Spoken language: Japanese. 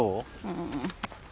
うん。